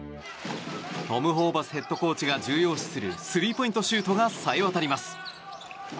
トム・ホーバスヘッドコーチが重要視するスリーポイントシュートがさえ渡ります！